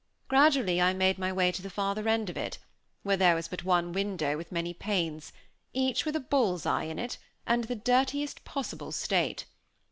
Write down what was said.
Gradually I made my way to the farther end of it, where there was but one window with many panes, each with a bull's eye in it, and in the dirtiest Possible state.